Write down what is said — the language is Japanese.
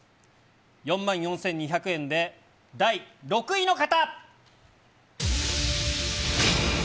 ４万４２００円で、第６位の方。